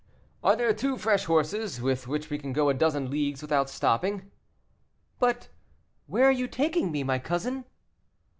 "Are there two fresh horses, with which we can go a dozen leagues without stopping?" "But where are you taking me, my cousin?"